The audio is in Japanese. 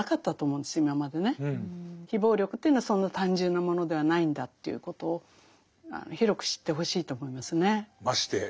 非暴力というのはそんな単純なものではないんだということを広く知ってほしいと思いますね。